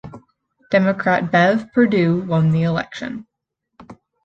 Democrat Bev Perdue won the election.